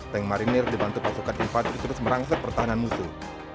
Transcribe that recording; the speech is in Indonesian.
tank marinir dibantu pasukan infanteri terus merangsat pertahanan musuh